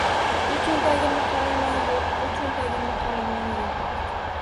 U cho‘ntagimni qarayman — yo‘q, bu cho‘ntagimni qarayman — yo‘q.